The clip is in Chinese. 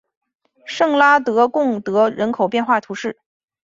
圣拉德贡德人口变化图示